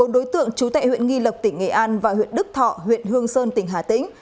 một mươi đối tượng trú tại huyện nghi lộc tỉnh nghệ an và huyện đức thọ huyện hương sơn tỉnh hà tĩnh